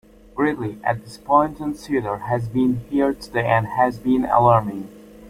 Gridley, a disappointed suitor, has been here today and has been alarming.